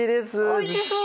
おいしそう。